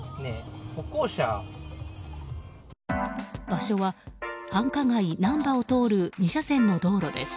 場所は繁華街、難波を通る２車線の道路です。